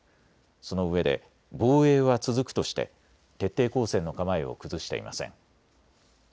そのうえで防衛は続くとして徹底抗戦の構えを崩していません。